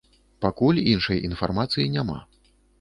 Пакуль іншай інфармацыі няма.